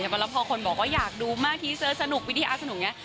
แล้วพอคนบอกว่าอยากดูมากทีเซอร์สนุกวิทยาลักษณ์สนุกเนี่ย